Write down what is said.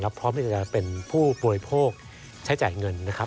พร้อมที่จะเป็นผู้บริโภคใช้จ่ายเงินนะครับ